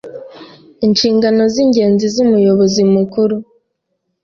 Inshingano z ingenzi z Umuyobozi Mukuru